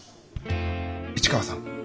市川さん